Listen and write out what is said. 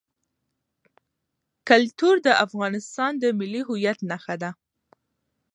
کلتور د افغانستان د ملي هویت نښه ده.